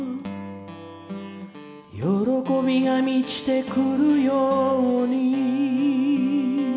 「喜びが満ちて来るように」